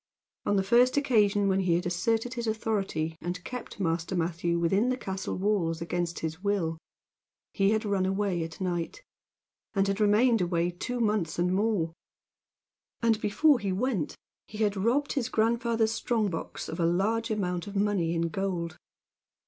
On the first occasion when he had asserted his authority, and kept master Matthew within the castle walls against his will, he had run away at night, and had remained away two months and more, and before he went he had robbed his grandfather's strong box of a large amount of money in gold.